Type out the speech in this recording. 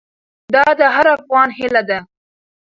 دا د هر افغان هیله ده.